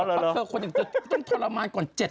ควรเดี๋ยวก็ต้องทรมานก่อน๗๑๐วัน